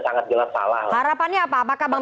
sangat jelas salah harapannya apa apakah bang